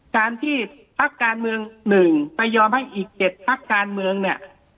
การที่ภาคการเมืองหนึ่งไปยอมให้อีกเจ็ดภาคการเมืองเนี่ย